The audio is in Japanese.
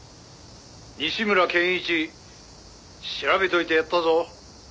「西村健一調べといてやったぞ」